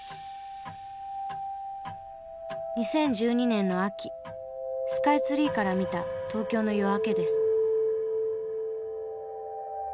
２０１２年の秋スカイツリーから見た東京の夜明けです。